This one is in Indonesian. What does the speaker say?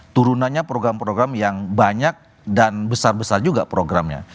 turunannya program program yang banyak dan besar besar juga programnya